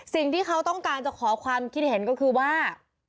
สิ่งที่เขาต้องการจะขอความคิดเห็นก็คือว่า